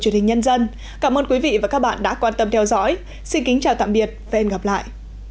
truyền hình nhân dân cảm ơn quý vị và các bạn đã quan tâm theo dõi xin kính chào tạm biệt và hẹn gặp lại